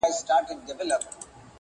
او د دنيا له لاسه.